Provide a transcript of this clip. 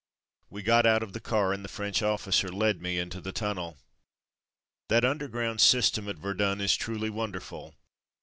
We got out of the car and the French officer led me into the tunnel. That underground system at Verdun is truly wonderful.